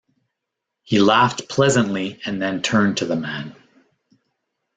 He laughed pleasantly and then turned to the man.